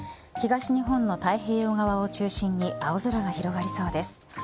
東日本の太平洋側を中心に青空が広がりそうです。